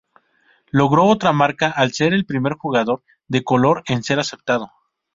Logró otra marca al ser el primer jugador de color en ser aceptado.